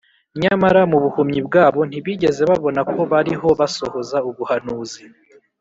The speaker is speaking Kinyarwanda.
nyamara mu buhumyi bwabo, ntibigeze babona ko bariho basohoza ubuhanuzi